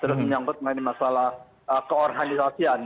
terus menyangkut mengenai masalah keorganisasian